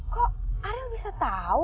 kok ada yang bisa tahu